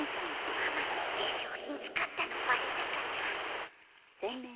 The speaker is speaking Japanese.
ママの化粧品使ったのバレたかな？